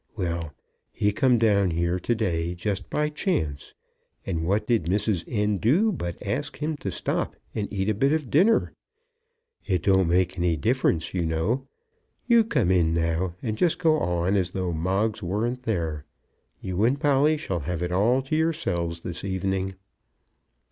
Well; he come down here to day, just by chance; and what did Mrs. N. do but ask him to stop and eat a bit of dinner! It don't make any difference, you know. You come in now, and just go on as though Moggs weren't there. You and Polly shall have it all to yourselves this evening."